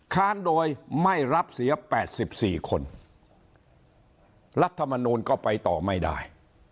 ค้านโดยไม่รับเสีย๘๔คนรัฐมนูลก็ไปต่อไม่ได้